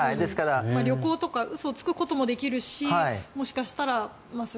旅行とか嘘をつくこともできるしもしかしたら。